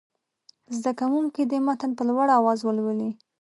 زده کوونکي دې متن په لوړ اواز ولولي.